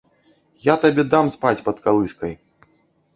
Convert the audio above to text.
Я табе дам спаць пад калыскай!